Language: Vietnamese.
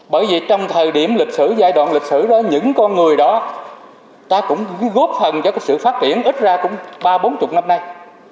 bởi vì trong thời điểm lịch sử giai đoạn lịch sử đó những con người đó ta cũng góp phần cho sự phát triển ít ra cũng ba bốn mươi năm nay